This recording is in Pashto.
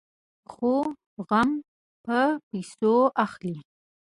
خو غم په پيسو اخلي.